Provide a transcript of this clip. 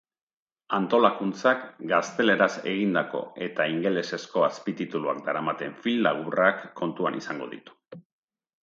Antolakuntzak, gazteleraz egindako eta ingelesezko azpitituluak daramaten film laburrak kontuan izango ditu.